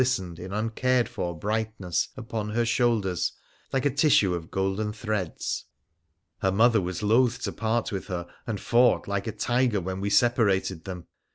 ..'".,.....".,.,,. on PHRA THE PHOENICIAN 9 her shoulders like a tissue of golden threads. Her mother was loth to part with her, and fought like a tiger when we separated them.